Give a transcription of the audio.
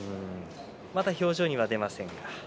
まだ表情には出ていません。